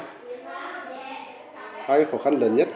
hai cái khó khăn lớn nhất